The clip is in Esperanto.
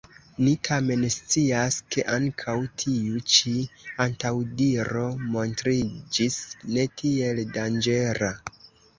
Ni tamen scias, ke ankaŭ tiu ĉi antaŭdiro montriĝis ne tiel danĝera.